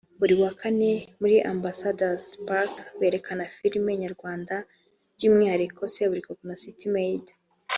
Buri wa Kane muri Ambassador's Park berekana filime nyarwanda by'umwihariko Seburikoko na City Maid